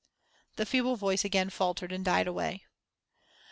The feeble voice again faltered and died away.